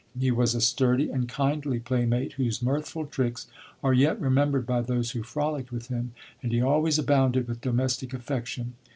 He was a sturdy and kindly playmate, whose mirthful tricks are yet remembered by those who frolicked with him, and he always abounded with domestic affection.